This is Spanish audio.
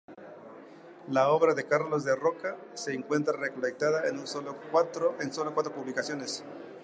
La obra de Carlos de Rokha se encuentra recolectada en solo cuatro publicaciones.